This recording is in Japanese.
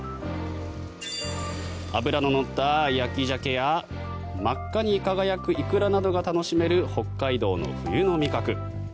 脂の乗った焼きザケや真っ赤に輝くイクラなどが楽しめる北海道の冬の味覚。